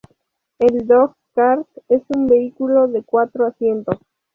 El "dog-cart" es un vehículo de cuatro asientos.